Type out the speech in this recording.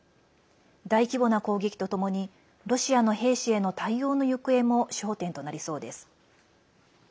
大規模な攻撃とともにロシアの兵士への対応の行方も焦点となりそうです。